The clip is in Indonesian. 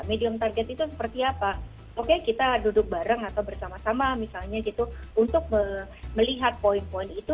medium target itu seperti apa oke kita duduk bareng atau bersama sama misalnya gitu untuk melihat poin poin itu